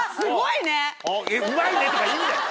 うまいねとかいいんだよ。